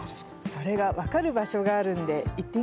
それが分かる場所があるんで行ってみましょうか。